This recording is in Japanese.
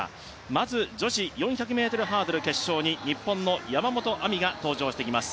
まず、女子４００ｍハードル決勝に日本の山本亜美が登場してきます。